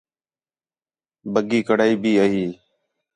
بَڳّی کڑاہی بھی آ ہی